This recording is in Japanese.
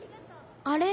あれ？